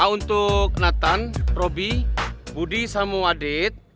untuk nathan robby budi sama wadid